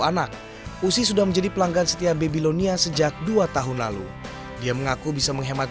anak usi sudah menjadi pelanggan setia babylonia sejak dua tahun lalu dia mengaku bisa menghemat